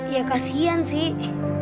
ya kasihan sih